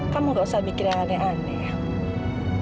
kamu gak usah mikirnya aneh aneh